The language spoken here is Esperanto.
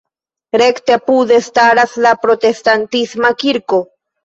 Rekte apude staras la protestantisma kirko.